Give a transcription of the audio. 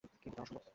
কিন্তু তা অসম্ভব।